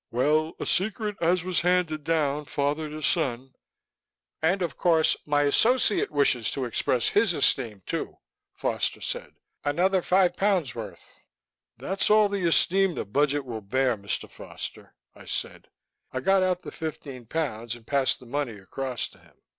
"Well, a secret as was handed down father to son...." "And, of course, my associate wishes to express his esteem, too," Foster said. "Another five pounds worth." "That's all the esteem the budget will bear, Mr. Foster," I said. I got out the fifteen pounds and passed the money across to him.